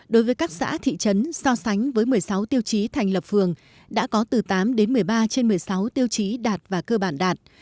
đối với các xã thị trấn so sánh với một mươi sáu tiêu chí thành lập phường đã có từ tám đến một mươi ba trên một mươi sáu tiêu chí đạt và cơ bản đạt